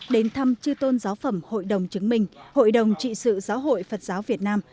đến thăm chư tôn giáo phẩm hội đồng chứng minh hội đồng trị sự giáo hội phật giáo việt nam